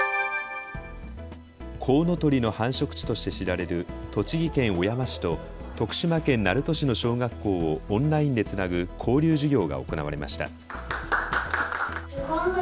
コウノトリの繁殖地として知られる栃木県小山市と徳島県鳴門市の小学校をオンラインでつなぐ交流授業が行われました。